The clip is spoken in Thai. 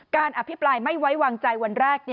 อภิปรายไม่ไว้วางใจวันแรก